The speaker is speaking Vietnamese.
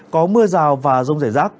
có mưa rào và rông rải rác